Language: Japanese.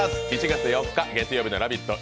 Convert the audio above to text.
７月４日月曜日の「ラヴィット！」